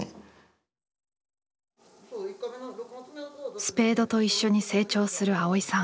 スペードと一緒に成長する蒼依さん。